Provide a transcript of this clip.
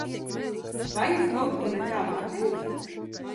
Vai es kaut ko ne tā pateicu?